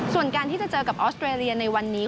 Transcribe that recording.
ส่วนการที่จะเจอกับออสเตรเลียในวันนี้